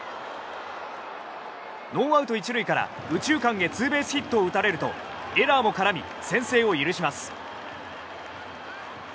ノーアウト１塁から右中間へツーベースヒットを打たれるとエラーも絡み先制を許します。